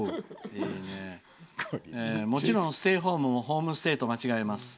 もちろん、ステイホームもホームステイと間違えます。